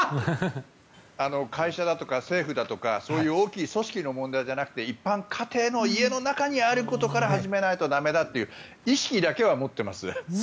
会社だとか政府だとかそういう大きい組織の問題じゃなくて一般家庭の家の中にあることから始めないと駄目だという意識だけは持っています。